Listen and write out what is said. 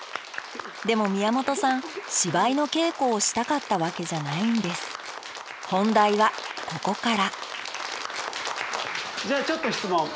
でも宮本さん芝居の稽古をしたかったわけじゃないんです本題はここからじゃあちょっと質問。